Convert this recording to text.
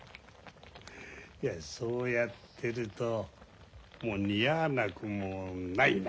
いやそうやってると似合わなくもないな。